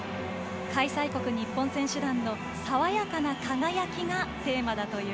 開催国・日本選手団の爽やかな輝きがテーマです。